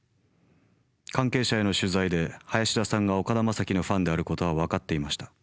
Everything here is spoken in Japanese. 関係者への取材で林田さんが岡田将生のファンであることは分かっていました。